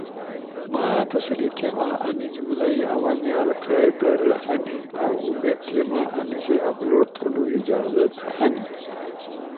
ما تسلی تھیما انی جملہ ئی عوامی حلقہ ئی در ہنی اؤامید تھیما انیسی اپلوڈ تھونو اجازت ہنی۔